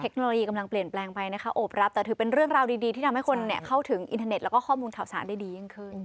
เทคโนโลยีกำลังเปลี่ยนแปลงไปนะคะโอบรับแต่ถือเป็นเรื่องราวดีที่ทำให้คนเข้าถึงอินเทอร์เน็ตแล้วก็ข้อมูลข่าวสารได้ดียิ่งขึ้น